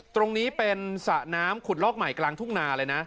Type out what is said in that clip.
ตรงนี้เป็นสระน้ำขุดลอกใหม่กลางทุ่งนาเลยนะ